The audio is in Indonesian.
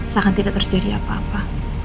seakan tidak terjadi apa apa